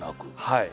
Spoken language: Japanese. はい。